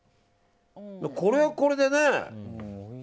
これは、これでね。